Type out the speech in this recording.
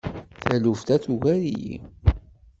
Taluft-a tugar-iyi.